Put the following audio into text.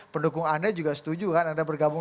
pendukung anda juga setuju kan anda bergabung